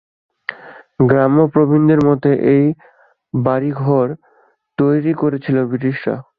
গ্রাম্য প্রবীণদের মতে এই ঘরবাড়ি তৈরি করেছিলেন ব্রিটিশরা।